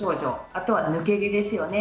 あとは抜け毛ですよね。